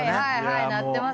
なってますと。